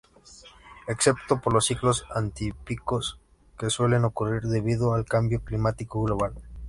Excepto por los ciclos atípicos que suelen ocurrir debido al cambio climático global.